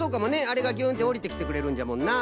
あれがぎゅんっておりてきてくれるんじゃもんな。